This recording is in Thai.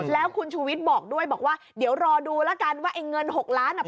แล้วคุณชูวิทย์บอกด้วยบอกว่าเดี๋ยวรอดูแล้วกันว่าไอ้เงิน๖ล้านอ่ะ